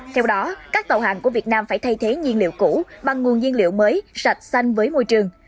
theo đó các tàu hàng của việt nam phải thay thế nhiên liệu cũ bằng nguồn nhiên liệu mới sạch xanh với môi trường